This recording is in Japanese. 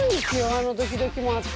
あのドキドキもあって。